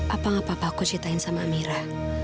apa gak papa aku ceritain sama mira